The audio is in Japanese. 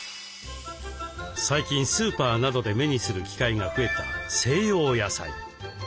最近スーパーなどで目にする機会が増えた西洋野菜。